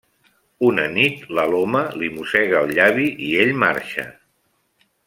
Una nit, l'Aloma li mossega el llavi i ell marxa.